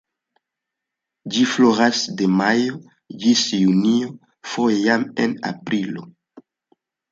Ĝi floras de majo ĝis junio, foje jam en aprilo.